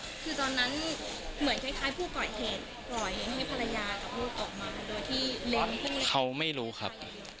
คือตอนนั้นเหมือนคล้ายผู้ก่อเหตุก่อเหตุให้ภารยาออกมาโดยที่เล็งข้างใน